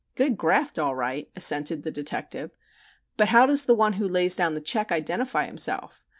"Good graft, all right," assented the detective. "But how does the one who lays down the check identify himself?